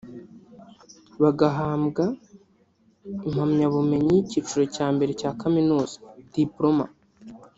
bagahambwa impamyabubumenyi y’icyiciro cya mbere cya Kaminuza ( Diploma)